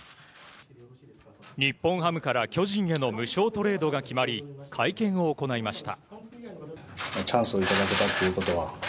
日本ハムから巨人への無償トレードが決まり会見を行いました。